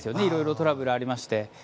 いろいろトラブルがありまして。